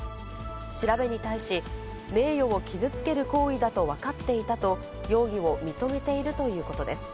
調べに対し、名誉を傷つける行為だと分かっていたと、容疑を認めているということです。